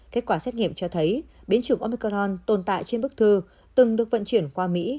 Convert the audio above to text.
kết quả xét nghiệm cho thấy biến chủng omicron tồn tại trên bức thư từng được vận chuyển qua mỹ